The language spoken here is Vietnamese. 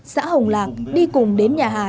xã hồng lạc đi cùng đến nhà hà